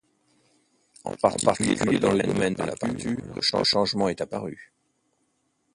En particulier dans le domaine de la peinture, le changement est apparu.